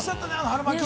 春巻き。